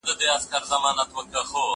زه له پرون راهیسې کار کوم!.